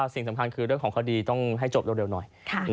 สิ่งสำคัญคือเรื่องของคดีต้องให้จบเร็วหน่อย